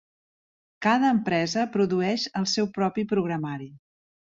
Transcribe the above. Cada empresa produeix el seu propi programari.